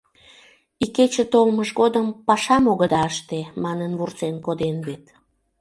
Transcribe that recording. Икече толмыж годым «пашам огыда ыште» манын вурсен коден вет.